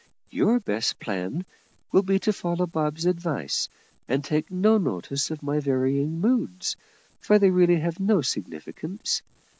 Your best plan will be to follow Bob's advice, and take no notice of my varying moods, for they really have no significance.